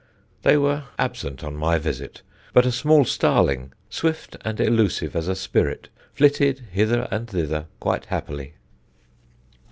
They were absent on my visit, but a small starling, swift and elusive as a spirit, flitted hither and thither quite happily.